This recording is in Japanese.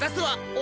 お！